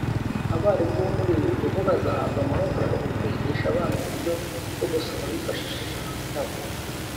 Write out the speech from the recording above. Abarimu bo muri ibi bigo bo bazahabwa amahugurwa ku kwigisha abana uburyo bwo gusoma bifashishije ibi bitabo